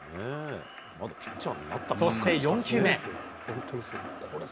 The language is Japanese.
そして４球目。